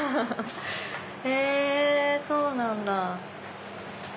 へぇそうなんだ。